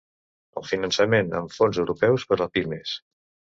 El finançament amb fons europeus per a pimes.